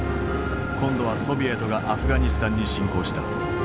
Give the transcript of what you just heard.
今度はソビエトがアフガニスタンに侵攻した。